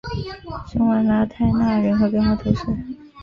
圣旺拉泰讷人口变化图示